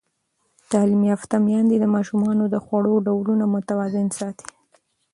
تعلیم یافته میندې د ماشومانو د خوړو ډولونه متوازن ساتي.